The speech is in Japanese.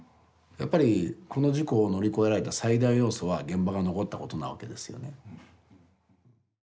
やっぱりこの事故を乗り越えられた最大要素は現場が残ったことなわけですよね。